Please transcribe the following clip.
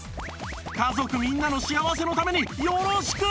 家族みんなの幸せのためによろしく！